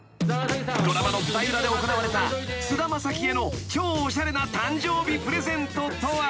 ［ドラマの舞台裏で行われた菅田将暉への超おしゃれな誕生日プレゼントとは］